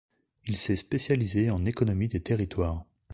Il s'est spécialisé en économie des territoires.